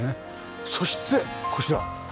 そしてこちら。